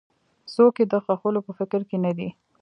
څوک یې د ښخولو په فکر کې نه دي.